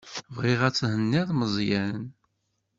Bɣiɣ ad thenniḍ Meẓyan.